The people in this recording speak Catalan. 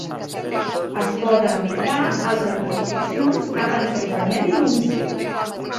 Es poden aplicar altres restriccions abans que es permeti l'omissió.